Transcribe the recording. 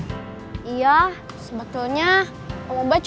kangen deh sama celoknya om ubed